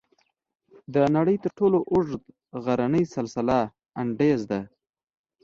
د نړۍ تر ټولو اوږد غرنی سلسله "انډیز" ده.